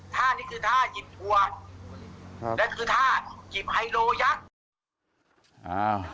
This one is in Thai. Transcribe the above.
ท่านี้คือท่าหยิดหัวและคือท่าหยิบไฮโลยักษ์